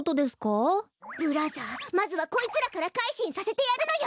ブラザーまずはこいつらからかいしんさせてやるのよ！